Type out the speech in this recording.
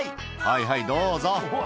「はいはいどうぞ」